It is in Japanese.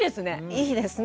いいですね。